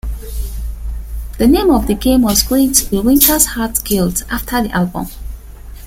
The name of the game was going to be "Winterheart's Guild", after the album.